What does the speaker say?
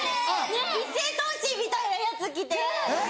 一斉送信みたいなやつ来て。